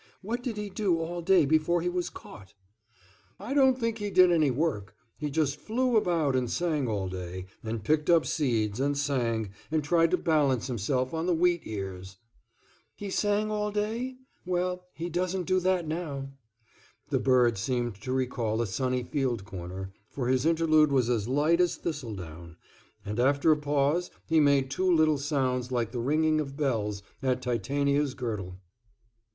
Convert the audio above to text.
What did he do all day before he was caught?" "I don't think he did any work. He just flew about and sang all day, and picked up seeds, and sang, and tried to balance himself on the wheat ears." "He sang all day? Well, he doesn't do that now." The bird seemed to recall a sunny field corner, for his interlude was as light as thistledown, and after a pause he made two little sounds like the ringing of bells at Titania's girdle.